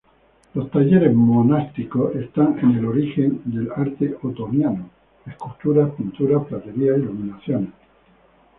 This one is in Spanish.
Los talleres monásticos están en el origen del arte otoniano: esculturas, pinturas, platería, iluminaciones.